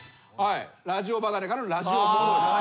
ラジオ離れからのラジオ戻り。